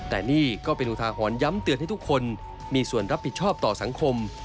แต่นี่ก็เป็นอุทาหรณ์ย้ำเตือนให้ทุกคนมีส่วนรับผิดชอบต่อสังคม